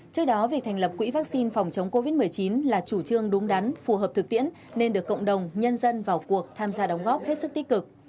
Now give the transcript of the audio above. trước đó việc thành lập quỹ vaccine phòng chống covid một mươi chín là chủ trương đúng đắn phù hợp thực tiễn nên được cộng đồng nhân dân vào cuộc tham gia đóng góp hết sức tích cực